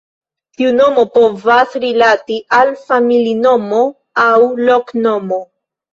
Tiu nomo povas rilati al familinomo aŭ loknomo.